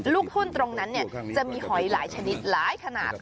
หุ้นตรงนั้นจะมีหอยหลายชนิดหลายขนาด